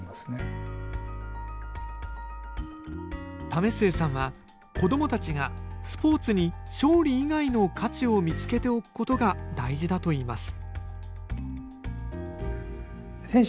為末さんは、子どもたちがスポーツに勝利以外の価値を見つけておくことが大事だといいます。